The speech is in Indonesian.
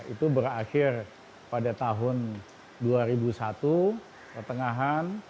itu berakhir pada tahun dua ribu satu pertengahan